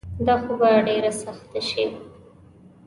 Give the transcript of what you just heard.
دا خو به ډیره سخته شي